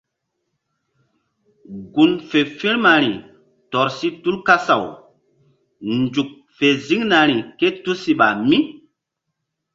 Gun fe firmari tɔr si tu kasaw nzuk fe ziŋnari ké tusiɓa mí.